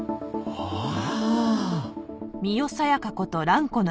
ああ